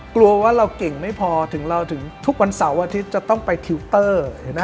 กลัวว่าเราเก่งไม่พอถึงเราถึงทุกวันเสาร์อาทิตย์จะต้องไปทิวเตอร์